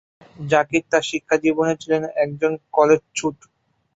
জাকির তার শিক্ষাজীবনে ছিলেন একজন কলেজ-ছুট।